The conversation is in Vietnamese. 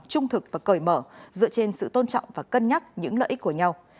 trung thực và cởi mở dựa trên sự tôn trọng và cân nhắc những lợi ích của nhau